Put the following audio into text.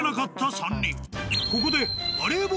［ここで］